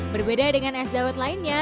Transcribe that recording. berbeda dengan es dawet lainnya